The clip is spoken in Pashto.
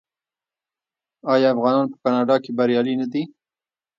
آیا افغانان په کاناډا کې بریالي نه دي؟